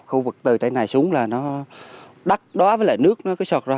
khu vực từ trên này xuống là nó đắt đó với lại nước nó cứ sọt ra